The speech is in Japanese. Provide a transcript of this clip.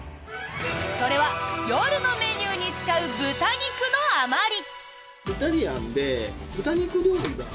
それは、夜のメニューに使う豚肉の余り。